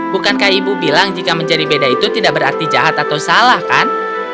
bukankah ibu bilang jika menjadi beda itu tidak berarti jahat atau salah kan